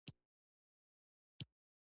بخښنه کول څه ګټه لري؟